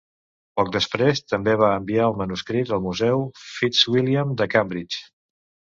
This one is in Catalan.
Poc després, també va enviar el manuscrit al Museu Fitzwilliam de Cambridge.